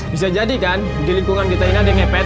bisa jadi kan di lingkungan kita ini ada yang ngepet